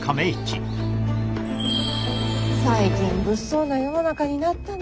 ・最近物騒な世の中になったね。